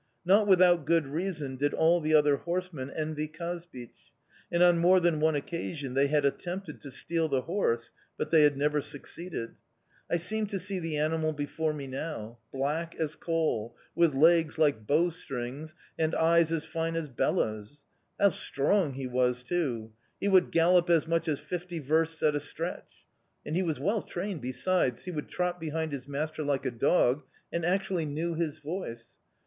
Not without good reason did all the other horsemen envy Kazbich, and on more than one occasion they had attempted to steal the horse, but they had never succeeded. I seem to see the animal before me now black as coal, with legs like bow strings and eyes as fine as Bela's! How strong he was too! He would gallop as much as fifty versts at a stretch! And he was well trained besides he would trot behind his master like a dog, and actually knew his voice!